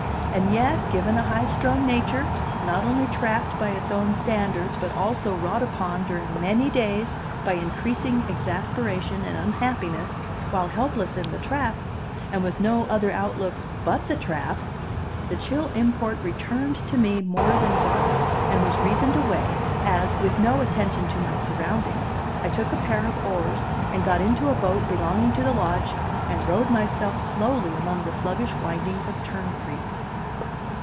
And yet, given a high strung nature, not only trapped by its own standards, but also wrought upon during many days by increasing exasperation and unhappiness while helpless in the trap, and with no other outlook but the trap: the chill import returned to me more than once, and was reasoned away, as, with no attention to my surroundings, I took a pair of oars, and got into a boat belonging to the lodge, and rowed myself slowly among the sluggish windings of Tern Creek.